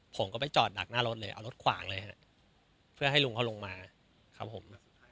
ผมก็ไปจอดดักหน้ารถเลยเอารถขวางเลยฮะเพื่อให้ลุงเขาลงมาครับผม